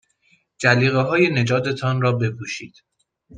جلیقههای نجات تان را بپوشید.